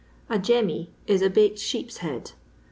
A " Jemmy " is a baked sheep's head.